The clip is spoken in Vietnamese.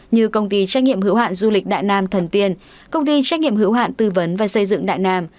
như công ty trách nhiệm hữu hạn du lịch đại nam thần tiên công ty trách nhiệm hữu hạn tư vấn và xây dựng đại nam